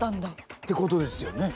ってことですよね。